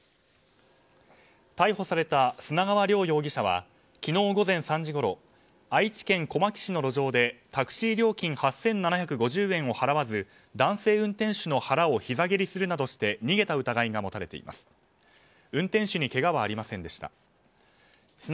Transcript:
逮捕された砂川亮容疑者は昨日午前３時ごろ愛知県小牧市の路上でタクシー料金８７５０円を払わず男性運転手の腹をひざ蹴りするなどして逃げた疑いが持たれています。